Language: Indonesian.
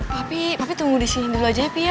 papi papi tunggu di sini dulu aja ya pia